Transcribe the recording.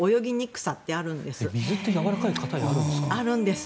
水ってやわらかい硬いあるんですか？